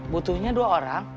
butuhnya dua orang